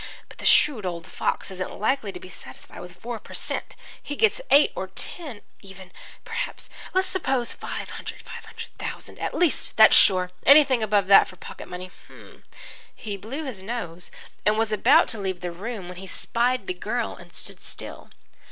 Hm hm! But the shrewd old fox isn't likely to be satisfied with four per cent. He gets eight or even ten, perhaps. Let's suppose five hundred, five hundred thousand, at least, that's sure. Anything above that for pocket money hm " He blew his nose and was about to leave the room when he spied the girl and stood still.